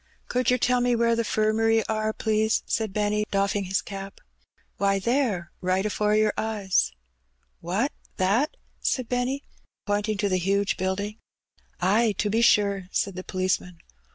"Could yer tell me where the 'firmary are, please?" said Benny, doffing his cap. "Why, there, right afore your eyes." What, that?" said Benny, pomtmg to the huge boildingii^ €C Bunny Peays. 113 " Ay, to be Bore," said the policeman.